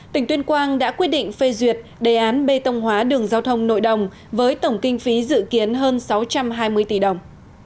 tỉnh tuyên quang đã quyết định phê duyệt đề án bê tông hóa đường giao thông nội đồng với tổng kinh phí dự kiến hơn sáu trăm hai mươi tỷ đồng